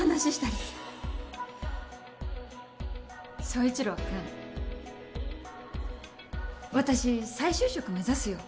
総一朗君私再就職目指すよ。